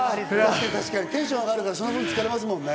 テンション上がるから、その分、疲れますもんね。